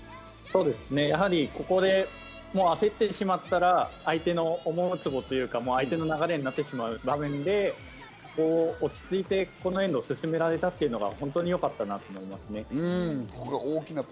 やはりここで焦ってしまったら相手の思うツボというか、相手の流れになってしまう場面で、落ち着いてこのエンドを進められたというのが本当によかったと思います。